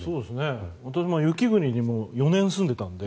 私も雪国に４年住んでいたので。